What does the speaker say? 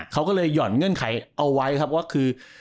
เขาก็เลยหย่อนเงื่อนไขเอาไว้ครับว่าคือ